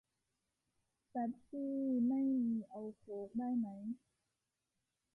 เป็ปซี่ไม่มี เอาโค้กได้ไหม